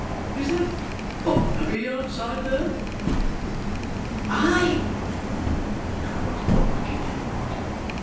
Is that Barnaby outside there?' 'Ay!' he cried, looking in and nodding.